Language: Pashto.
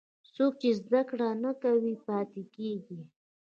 څوک چې زده کړه نه کوي، پاتې کېږي.